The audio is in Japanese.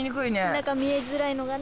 中見えづらいのがね。